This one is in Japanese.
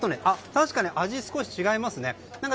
確かに味が少し違いますね。